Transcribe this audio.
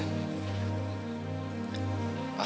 kau tak tahu